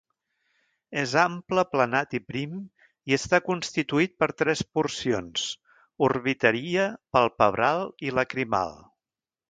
És ample, aplanat i prim, i està constituït per tres porcions: orbitaria, palpebral i lacrimal.